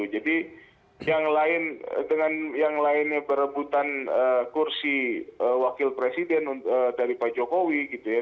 jadi yang lain dengan yang lainnya berebutan kursi wakil presiden dari pak jokowi gitu ya